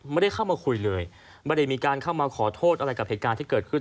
ไม่ได้เข้ามาคุยเลยไม่ได้มีการเข้ามาขอโทษอะไรกับเหตุการณ์ที่เกิดขึ้น